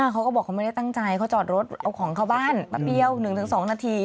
เขาก็บอกเขาไม่ได้ตั้งใจเขาจอดรถเอาของเข้าบ้านแป๊บเดียว๑๒นาที